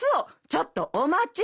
ちょっとお待ち！